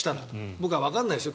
僕はわからないですよ。